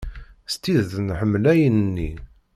S tidet nḥemmel ayen-nni.